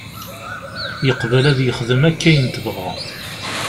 Yeqbel ad yexdem akk ayen tebɣa.